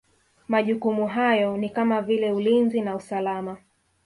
Majukumu hayo ni kama vile Ulinzi na usalama